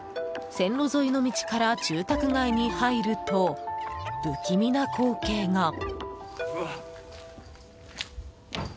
線路沿いの道から住宅街に入ると不気味な光景が。